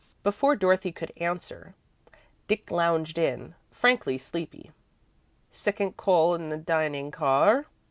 Before Dorothy could answer, Dick lounged in, frankly sleepy. "Second call in the dining car?"